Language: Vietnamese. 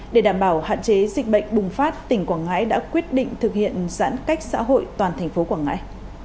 để đảm bảo hạn chế dịch bệnh bùng phát tỉnh quảng ngãi đã quyết định thực hiện giãn cách xã hội toàn thành phố quảng ngãi